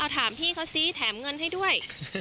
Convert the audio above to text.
แถมเงินให้ด้วย